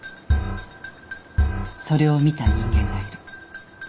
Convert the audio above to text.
それを見た人間がいる。